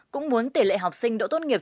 cũng muốn tỷ lệ học sinh đỗ tốt nghiệp